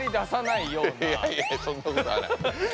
いやいやそんなことはない。